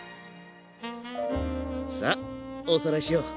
さあおさらいしよう。